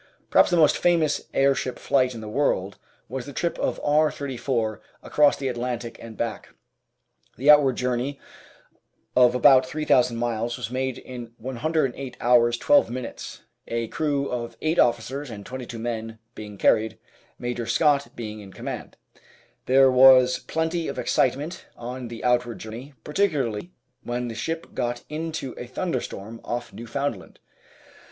Perhaps the most famous airship flight in the world was the trip of R. 34 across the Atlantic and back. The outward jour ney of about 3,000 miles was made in 108 hours 12 minutes, a crew of 8 officers and 22 men being carried, Major Scott being in command. There was plenty of excitement on the outward journey, particularly when the ship got into a thunderstorm off Newfoundland.